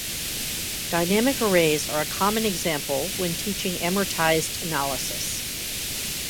Dynamic arrays are a common example when teaching amortized analysis.